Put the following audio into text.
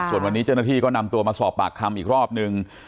ส่วนวันนี้เจ้าหน้าที่ก็นำตัวมาสอบปากคำอีกรอบนึง